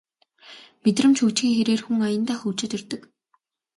Мэдрэмж хөгжихийн хэрээр хүн аяндаа хөгжөөд ирдэг